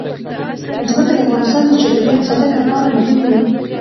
ځمکه د افغانستان د چاپیریال ساتنې لپاره مهم دي.